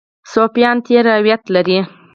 صوفیان تېر روایت لري.